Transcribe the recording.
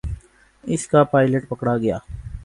اس کا پائلٹ پکڑا گیا۔